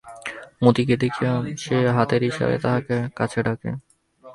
মতিকে দেখিয়া সে হাতের ইশারায় তাহাকে কাছে ডাকে।